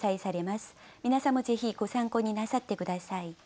皆さんもぜひご参考になさって下さい。